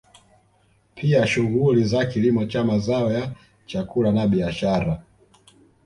Pia shughuli za kilimo cha mazao ya chakula na biashara